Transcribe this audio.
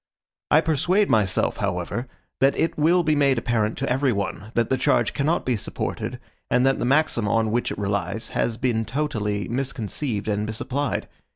I persuade myself, however, that it will be made apparent to every one, that the charge cannot be supported, and that the maxim on which it relies has been totally misconceived and misapplied.